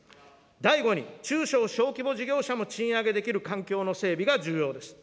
第五に、中小小規模事業者も賃上げできる環境の整備が重要です。